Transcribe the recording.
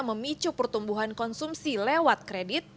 memicu pertumbuhan konsumsi lewat kredit